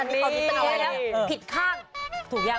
อันนี้ผิดข้าง